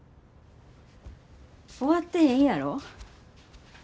終わってへんやろ。